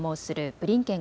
ブリンケン